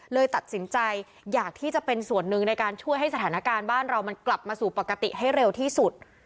เลยตัดสินใจอยากที่จะเป็นส่วนหนึ่งในการช่วยให้สถานการณ์บ้านเรามันกลับมาสู่ปกติให้เร็วที่สุด